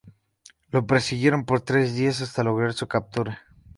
Lo persiguieron por tres días hasta lograr su captura.